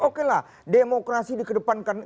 oke lah demokrasi dikedepankan